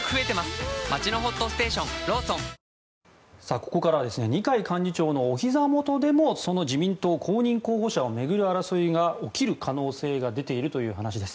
ここからは二階幹事長のおひざ元でもその自民党公認候補者を巡る争いが起きる可能性が出ているという話です。